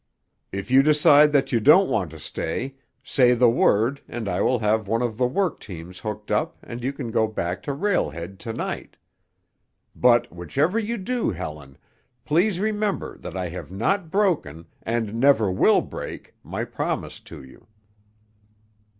If you decide that you don't want to stay, say the word and I will have one of the work teams hooked up and you can go back to Rail Head to night. "But whichever you do, Helen, please remember that I have not broken—and never will break—my promise to you."